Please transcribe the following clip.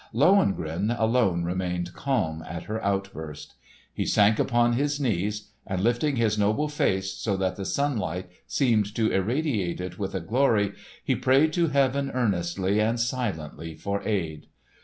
Lohengrin alone remained calm at her outburst. He sank upon his knees and, lifting his noble face so that the sunlight seemed to irradiate it with a glory, he prayed to Heaven earnestly and silently for aid.